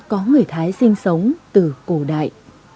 có người thái sinh sống từ cổ đại